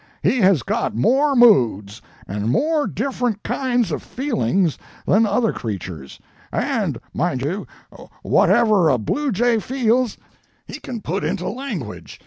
He has got more moods, and more different kinds of feelings than other creatures; and, mind you, whatever a bluejay feels, he can put into language.